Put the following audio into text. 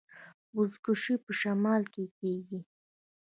بزکشي په شمال کې کیږي